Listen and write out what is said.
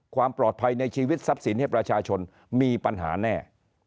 ความปลอดภัยในชีวิตทรัพย์สินให้ประชาชนมีปัญหาแน่